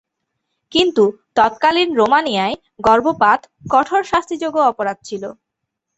কিন্তু তৎকালীন রোমানিয়ায় গর্ভপাত কঠোর শাস্তিযোগ্য অপরাধ ছিল।